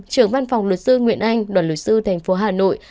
trưởng văn phòng luật sư nguyễn anh đoàn luật sư tp hà nội